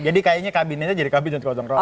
jadi kayaknya kabinetnya jadi kabinet gotong royong